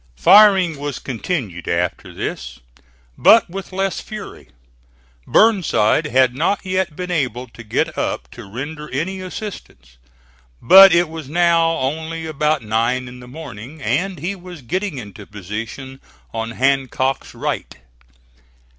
Firing was continued after this, but with less fury. Burnside had not yet been able to get up to render any assistance. But it was now only about nine in the morning, and he was getting into position on Hancock's right.